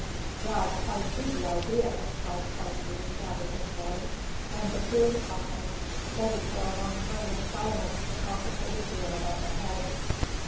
"Yes, I see the idea," replied Carthew, rather dismally, and the two incompetents studied for a long time in silence the complicated gear above their heads.